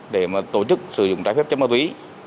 để tổ chức sử dụng trái phép chất mà tuý